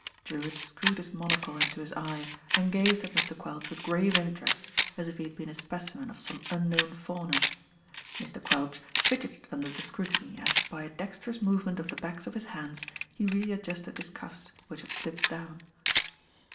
Drewitt screwed his monocle into his eye and pzed at Mr. Quelch with grave interest, as if he had been a specimen of some unknown fauna. Mr. Uuelch fidgeted under the scrutiny as, by a dexter ous movement of the backs of his hands, he read justed his cuffs, which had slipped down.